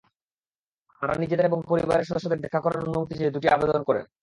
তাঁরা নিজেদের এবং পরিবারের সদস্যদের দেখা করার অনুমতি চেয়ে দুটি আবেদন করেন।